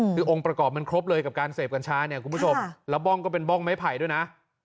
คือองค์ประกอบมันครบเลยกับการเสพกัญชาเนี่ยคุณผู้ชมแล้วบ้องก็เป็นบ้องไม้ไผ่ด้วยนะ